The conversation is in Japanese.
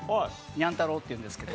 にゃんたろうっていうんですけど。